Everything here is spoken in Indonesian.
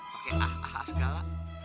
pake ah ah ah segala